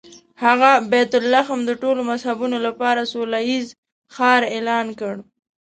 هغه بیت لحم د ټولو مذهبونو لپاره سوله ییز ښار اعلان کړ.